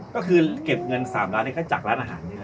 ก็คือเก็บเงิน๓ล้านนี่ก็จากร้านอาหารอยู่แล้ว